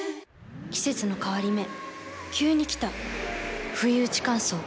季節の変わり目急に来たふいうち乾燥。